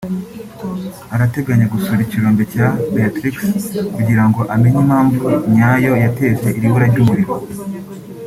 arateganya gusura ikirombe cya Beatrix kugira ngo amenye impamvu nyayo yateje iri bura ry’umuriro